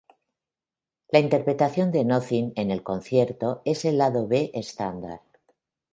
La interpretación de "Nothing" en el concierto es el lado B estándar.